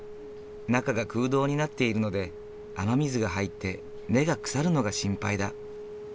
中が空洞になっているので雨水が入って根が腐るのが心配だ。